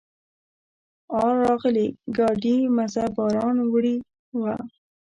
آر راغلي ګاډي مزه باران وړې وه.